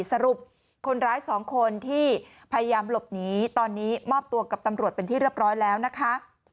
สรุปคนร้ายสองคนที่พยายามหลบหนีตอนนี้มอบตัวกับตำรวจเป็นที่เรียบร้อยแล้วนะคะ